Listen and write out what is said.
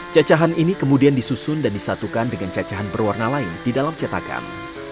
cacahan ini kemudian disusun dan disatukan dengan cacahan berwarna lain di dalam cetakan